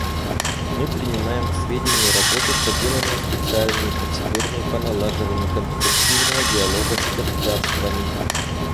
Мы принимаем к сведению работу, проделанную специальными процедурами по налаживанию конструктивного диалога с государствами.